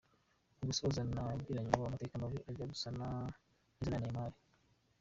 Mu gusoza nagiranye nabo amateka mabi ajya gusa neza n’aya Neymar.